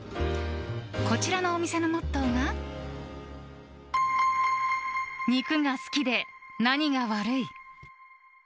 こちらのお店のモットーが肉が好きで何が悪い。